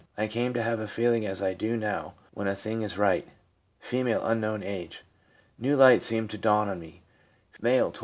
'I came to have a feeling as I do now when a thing is right.' R, —. 'New light seemed to dawn on me.' M., 23.